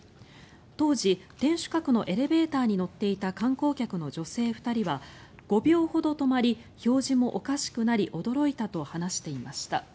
当時、天守閣のエレベーターに乗っていた観光客の女性２人は５秒ほど止まり表示もおかしくなり、驚いたと話していました。